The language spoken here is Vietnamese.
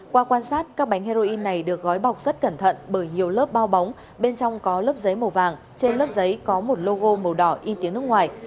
qua quan sát các bánh heroin này được gói bọc rất cẩn thận bởi nhiều lớp bao bóng bên trong có lớp giấy màu vàng trên lớp giấy có một logo màu đỏ in tiếng nước ngoài